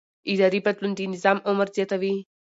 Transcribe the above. اداري بدلون د نظام عمر زیاتوي